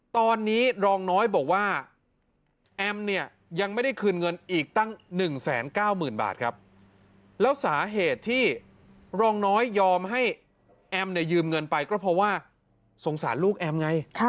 ตอนนี้รองน้อยบอกว่าแอมเนี่ยยังไม่ได้คืนเงินอีกตั้ง๑๙๐๐๐บาทครับแล้วสาเหตุที่รองน้อยยอมให้แอมเนี่ยยืมเงินไปก็เพราะว่าสงสารลูกแอมไง